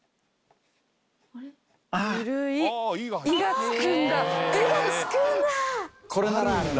「井」がつくんだ。